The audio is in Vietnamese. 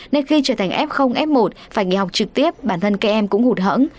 nên khi trở thành f f một phải nghỉ học trực tiếp bản thân các em cũng hụt hẫng